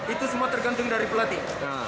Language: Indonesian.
itu semua tergantung dari pelatih